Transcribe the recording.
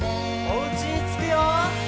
おうちにつくよ！